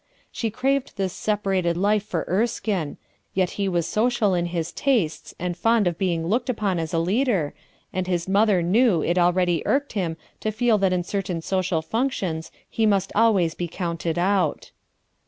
She craved this separated life for Erskine, yet he was social in his tastes and fond of being looked upon as a leader, and his mother knew it already irked him to feel that in certain social functions he must always be counted out.